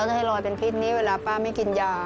จะให้ลอยเป็นพิษนี้เวลาป้าไม่กินยา